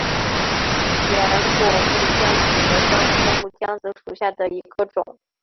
圆果木姜子为樟科木姜子属下的一个种。